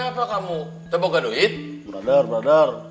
assalamualaikum salam salam